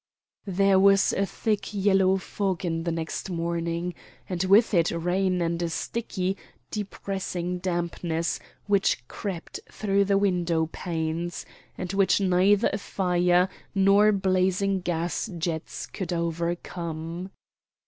There was a thick yellow fog the next morning, and with it rain and a sticky, depressing dampness which crept through the window panes, and which neither a fire nor blazing gas jets could overcome.